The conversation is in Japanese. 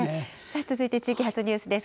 続いて地域発ニュースです。